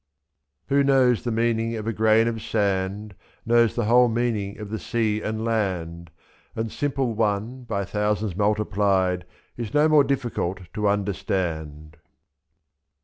Who knows the meaning of a grain of sand Knows the whole meaning of the sea and land, i^f And simple One by thousands multiplied Is no more difficult to understand.